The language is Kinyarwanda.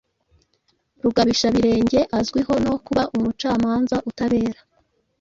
Rugabishabirenge”. Azwiho no kuba umucamanza utabera